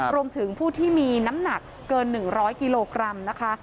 รวมถึงผู้ที่มีน้ำหนักเกิน๑๐๐กิโลกรัมนะคะ